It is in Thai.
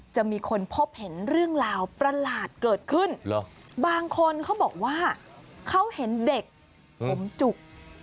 จะมีคนพบเห็นเรื่องราวประหลาดเกิดขึ้นบางคนเขาบอกว่าเขาเห็นเด็กผมจุก